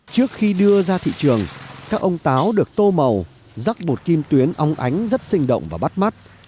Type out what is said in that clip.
trước khi đưa ra thị trường các ông táo được tô màu rắc bột kim tuyến ống ánh rất sinh động và bắt mắt